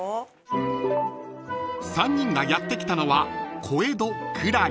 ［３人がやって来たのは］